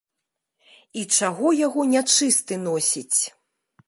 І чаго яго нячысты носіць?